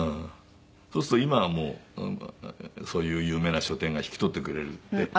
そうすると今はもうそういう有名な書店が引き取ってくれるんで。